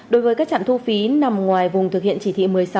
đối với các trạm thu phí nằm ngoài vùng thực hiện chỉ thị một mươi sáu